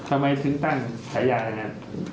ทำไมคุณแต่งฉายานั่น